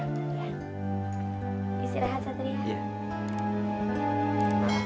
isi lahat satria